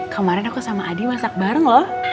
kemarin aku sama adi masak bareng loh